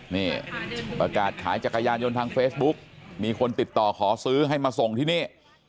นี่ประกาศขายจักรยานยนต์ทางเฟซบุ๊กมีคนติดต่อขอซื้อให้มาส่งที่นี่